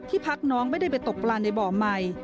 พักน้องไม่ได้ไปตกปลาในบ่อใหม่